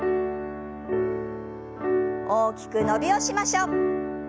大きく伸びをしましょう。